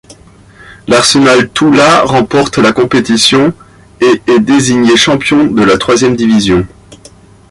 L'Arsenal Toula remporte la compétition et est désigné champion de la troisième division.